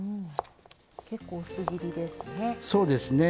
結構薄切りですね。